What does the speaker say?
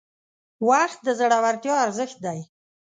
• وخت د زړورتیا ارزښت دی.